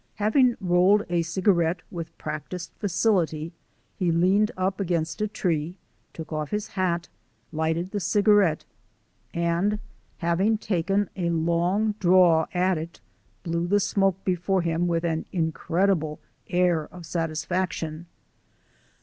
Having rolled a cigarette with practised facility, he leaned up against a tree, took off his hat, lighted the cigarette and, having taken a long draw at it, blew the smoke before him with an incredible air of satisfaction.